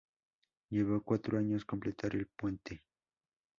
Llevó cuatro años completar el puente.